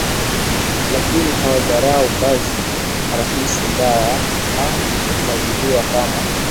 lakini hawadharau kazi rahisi mbaya na huajiriwa kama